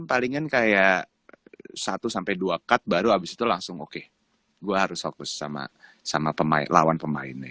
palingan kayak satu dua cut baru habis itu langsung oke gua harus fokus sama sama pemain lawan pemainnya